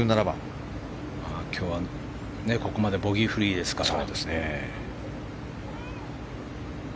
今日はここまでボギーフリーですから。